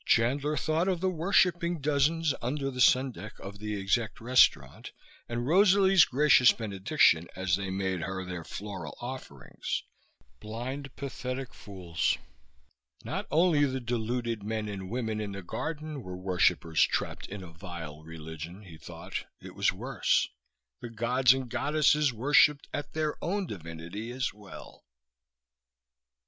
Chandler thought of the worshipping dozens under the sundeck of the exec restaurant, and Rosalie's gracious benediction as they made her their floral offerings. Blind, pathetic fools! Not only the deluded men and women in the garden were worshippers trapped in a vile religion, he thought. It was worse. The gods and goddesses worshipped at their own divinity as well!